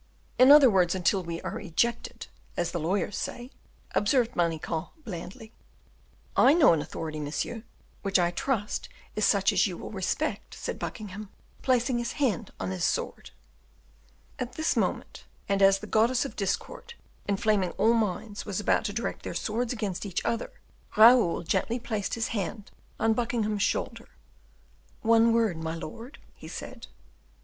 "In other words, until we are ejected, as the lawyers say," observed Manicamp, blandly. "I know an authority, monsieur, which I trust is such as you will respect," said Buckingham, placing his hand on his sword. At this moment, and as the goddess of Discord, inflaming all minds, was about to direct their swords against each other, Raoul gently placed his hand on Buckingham's shoulder. "One word, my lord," he said.